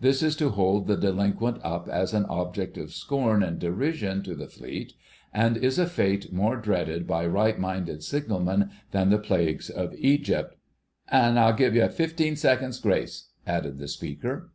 This is to hold the delinquent up as an object of scorn and derision to the Fleet, and is a fate more dreaded by right minded signalmen than the Plagues of Egypt. "An' I'll give you fifteen seconds' grace," added the speaker.